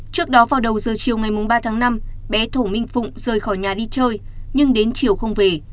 trước đó vào đầu giờ chiều ngày ba tháng năm bé thổ minh phụng rời khỏi nhà đi chơi nhưng đến chiều không về